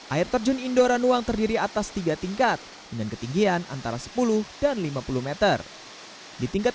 air terjun indoranuang terdiri atas tiga tingkat dengan ketinggian antara sepuluh dan lima puluh m di tingkat